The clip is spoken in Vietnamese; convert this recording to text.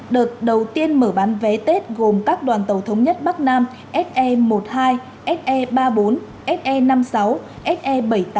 đợt đầu tiên mở bán vé tết gồm các đoàn tàu thống nhất bắc nam se một mươi hai se ba mươi bốn se năm mươi sáu se bảy trăm tám mươi